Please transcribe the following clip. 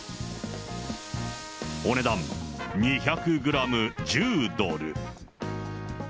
お値段２００グラム１０ドル。